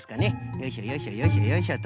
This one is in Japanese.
よいしょよいしょよいしょよいしょと。